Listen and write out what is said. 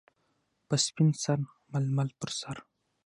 - په سپین سر ململ پر سر.